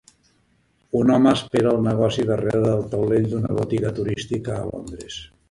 Un home espera el negoci darrere del taulell d'una botiga turística a Londres